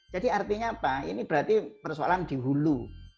jadi artinya apa ini berarti persoalan dihulu